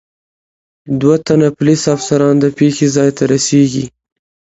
دو تنه پولیس افسران د پېښې ځای ته رسېږي.